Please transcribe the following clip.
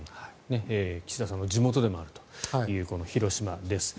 岸田さんの地元でもある広島です。